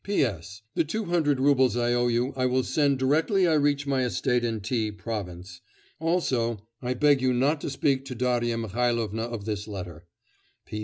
'P.S. The two hundred roubles I owe you I will send directly I reach my estate in T province. Also I beg you not to speak to Darya Mihailovna of this letter.